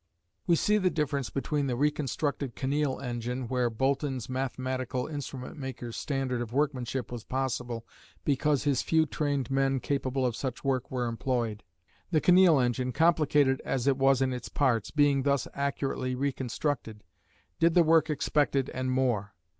We see the difference between the reconstructed Kinneil engine where Boulton's "mathematical instrument maker's" standard of workmanship was possible "because his few trained men capable of such work were employed." The Kinneil engine, complicated as it was in its parts, being thus accurately reconstructed, did the work expected and more.